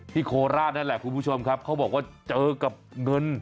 โคราชนั่นแหละคุณผู้ชมครับเขาบอกว่าเจอกับเงิน